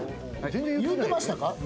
言うてましたか？